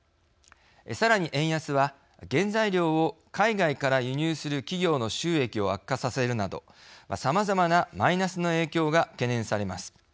さらに、円安は原材料を海外から輸入する企業の収益を悪化させるなどさまざまなマイナスの影響が懸念されます。